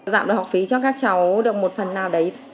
giảm được học phí cho các cháu được một phần nào đấy